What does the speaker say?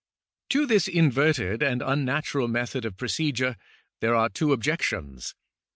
To this inverted and unnatural method of procedure there are two objections.